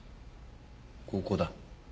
ここだ。